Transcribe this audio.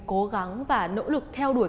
cố gắng và nỗ lực theo đuổi